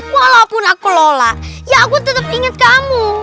walaupun aku lola ya aku tetap inget kamu